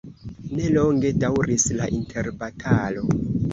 Ne longe daŭris la interbatalo.